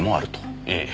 ええ。